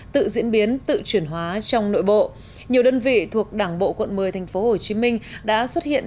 tự diễn biến tự chuyển hóa trong nội bộ nhiều đơn vị thuộc đảng bộ quận một mươi tp hcm đã xuất hiện